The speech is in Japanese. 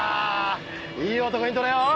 いい男に撮れよ！